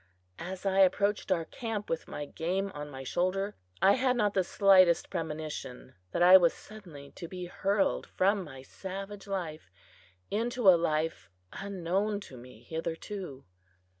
As I approached our camp with my game on my shoulder, I had not the slightest premonition that I was suddenly to be hurled from my savage life into a life unknown to me hitherto.